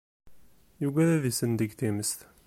Yugad ad isendeg times.